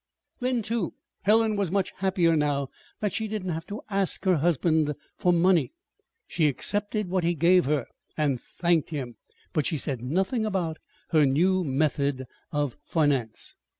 Then, too, Helen was much happier now that she did not have to ask her husband for money. She accepted what he gave her, and thanked him; but she said nothing about her new method of finance.